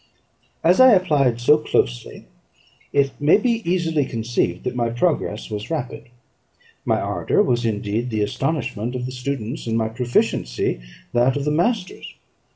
As I applied so closely, it may be easily conceived that my progress was rapid. My ardour was indeed the astonishment of the students, and my proficiency that of the masters.